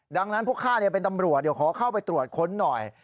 ดังนั้นพวกข้าเป็นตำรวจเดี๋ยวขอเข้าไปตรวจค้นหน่อย